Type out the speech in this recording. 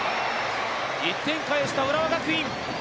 １点返した浦和学院。